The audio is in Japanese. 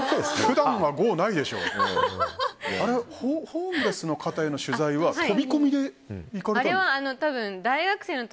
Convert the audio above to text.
ホームレスの方への取材は飛び込みで行かれたんですか？